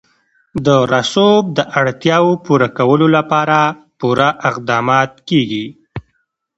د رسوب د اړتیاوو پوره کولو لپاره پوره اقدامات کېږي.